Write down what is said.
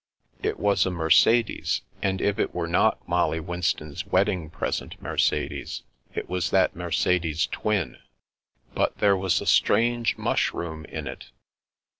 It was a Mercedes, and if it were not Molly Win ston's wedding present Mercedes, it was that Mer cedes' twin. But there was a strange mushroom in it.